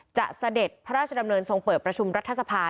เสด็จพระราชดำเนินทรงเปิดประชุมรัฐสภา